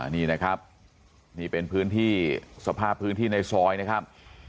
นี่นะครับนี่เป็นพื้นที่สภาพพื้นที่ในซอยนะครับ